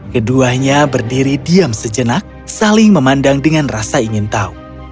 keduanya berdiri diam sejenak saling memandang dengan rasa ingin tahu